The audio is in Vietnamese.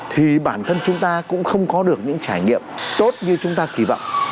thì bản thân chúng ta cũng không có được những trải nghiệm tốt như chúng ta kỳ vọng